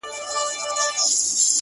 د پيغورونو په مالت کي بې ريا ياري ده”